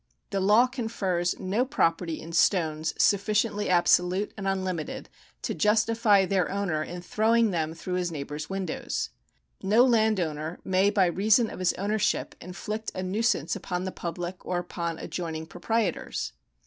The law confers no property in stones, sufficiently absolute and unlimited to justify their owner in throwing them through his neighbour's windows. No land owner may by reason of his ownership inflict a nuisance upon the public or upon adjoining proprietors.